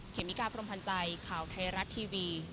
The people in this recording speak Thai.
สำคัญใจข่าวไทยรักทีวี